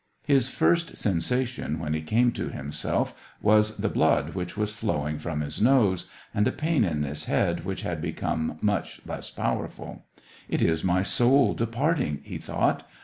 His first sensation, when he came to himself, was the blood which was flowing from his nose, and a pain in his head, which had become much less powerful. It is my soul departing," he thought.